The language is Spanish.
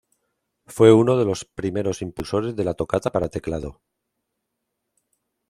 Fue uno de los primeros impulsores de la toccata para teclado.